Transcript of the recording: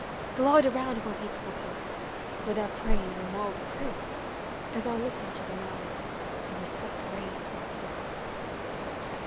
— Glide around my wakeful pillow, With their praise or mild reproof. As I listen to the murmur Of the soft rain on the roof.